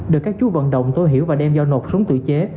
được các chú vận động tôi hiểu và đem giao nộp súng tự chế